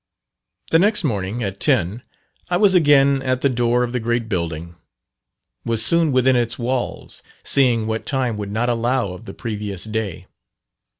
The next morning at ten, I was again at the door of the great building; was soon within its walls seeing what time would not allow of the previous day.